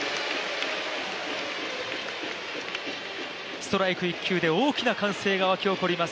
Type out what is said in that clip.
ストライク１球で大きな歓声が沸き起こります。